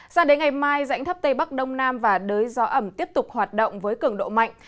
sao đến ngày mai rãnh thấp tây bắc đông nam và đới gió ẩm tiếp tục hoạt động với cường độ mạnh